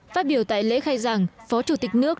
phát biểu tại lễ khai giảng phó chủ tịch nước